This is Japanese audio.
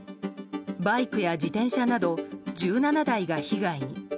バイクや自転車など１７台が被害に。